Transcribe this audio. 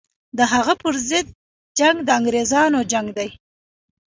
د هغه پر ضد جنګ د انګرېزانو جنګ دی.